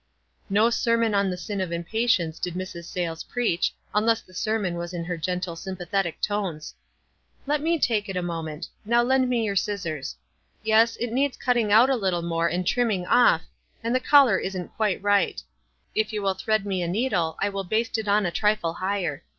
No sermon on the sin of impatience did Mrs. Sayles preach, unless the sermon w r as in hei gentle, sympathetic tones. " Let me take it a moment. Now lend me WISE AND OTHERWISE. 155 your scissors. Yes, it needs cutting out a little more and trimming off, and the collar isn't quite rh.dit. If you will thread me a needle T will baste it on a trifle higher.